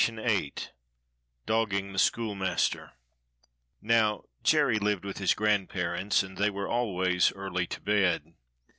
CHAPTER Vm DOGGING THE SCHOOLMASTER N^'OW Jerry lived with his grandparents, and they were always early to bed.